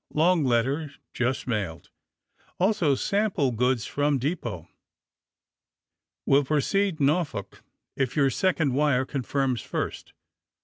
Long letter just mailed, also sam 104 THE SUBMARINE BOYS pie goods from depot. Will proceed Norfolk if your second wire confirms first.